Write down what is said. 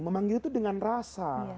memanggil itu dengan rasa